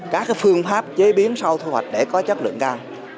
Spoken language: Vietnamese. các phương pháp chế biến sau thu hoạch để có chất lượng cao